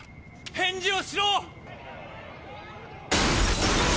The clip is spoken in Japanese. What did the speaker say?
返事をしろ！